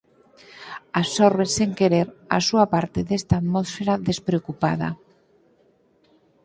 Absorben, sen querer, a súa parte desta atmosfera despreocupada.